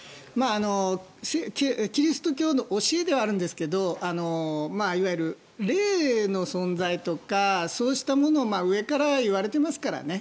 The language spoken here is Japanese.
キリスト教の教えではあるんですけどいわゆる霊の存在とかそうしたものが上から言われていますからね。